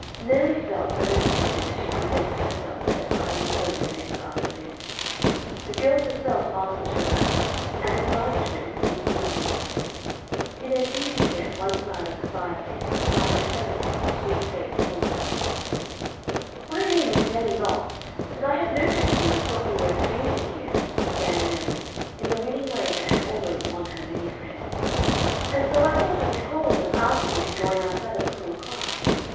Nellie felt a little timid as she presented herself at the tiny home the next afternoon. The girl herself answered her rap, and invited her into the wee living room. In an easy chair at one side of the fireplace reclined a delicate, sweet faced woman. [Illustration: "'I thank you, my dear,' said the woman."] "My name is Nellie Ross, and I have noticed you and thought you were a stranger here," began Nellie in the winning way that had always won her many friends, "and so I thought I would call and ask you to join our Sabbath school class.